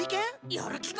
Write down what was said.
やる気か？